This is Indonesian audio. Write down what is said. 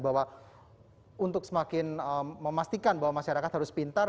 bahwa untuk semakin memastikan bahwa masyarakat harus pintar